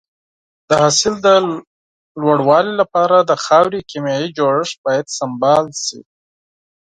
د حاصل د لوړوالي لپاره د خاورې کيمیاوي جوړښت باید سمبال شي.